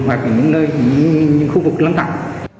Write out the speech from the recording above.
hoặc những nơi những khu vực lãnh thẳng